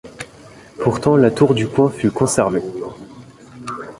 Pourtant, la tour du Coin fut conservée.